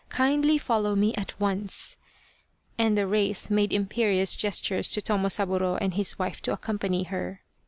Kindly follow me at once !" and the wraith made imperious gestures to Tomosaburo and his wife to accompany her.